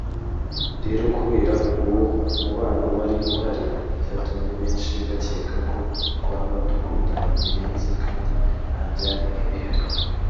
rero kubera uwo mubano wari uhari byatumye benshi bakeka ko twaba dukundana birenze kandi ntabyari bihari